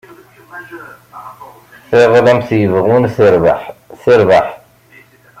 Taɣlamt yebɣun terbeḥ, terbeḥ.